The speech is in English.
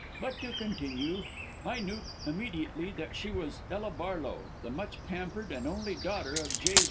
But to continue. I knew immediately that she was Ella Barlow, the much pampered and only daughter of J.